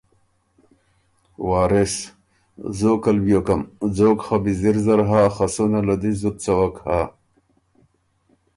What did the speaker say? وارث ـــ زوکل بیوکم، ځوک خه بیزِر زر هۀ خه سُنه له دی زُت څوک هۀ۔